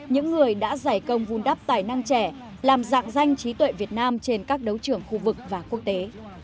những người đã giải công vun đắp tài năng trẻ làm dạng danh trí tuệ việt nam trên các đấu trưởng khu vực và quốc tế